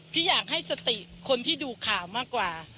พี่อยากให้สติคนที่ดูข่าวมากกว่า